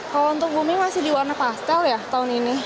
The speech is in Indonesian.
kalau untuk booming masih di warna pastel ya tahun ini